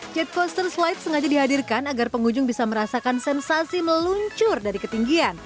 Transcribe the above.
jet coaster slide sengaja dihadirkan agar pengunjung bisa merasakan sensasi meluncur dari ketinggian